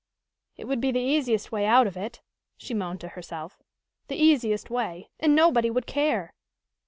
"It would be the easiest way out of it!" she moaned to herself. "The easiest way, and nobody would care!"